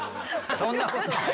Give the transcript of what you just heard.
そんなことない。